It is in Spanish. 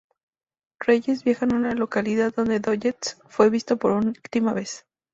Reyes viaja a la localidad donde Doggett fue visto por última vez.